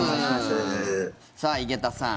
さあ、井桁さん